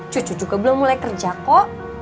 cucu juga belum mulai kerja kok